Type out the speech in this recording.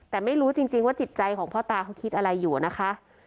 แต่ไม่รู้จริงว่าจิตใจของพ่อตาเขาคิดอะไรอยู่นะคะ